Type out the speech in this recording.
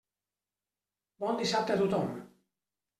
Bon dissabte a tothom.